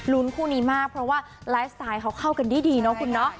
คู่นี้มากเพราะว่าไลฟ์สไตล์เขาเข้ากันได้ดีเนาะคุณเนาะ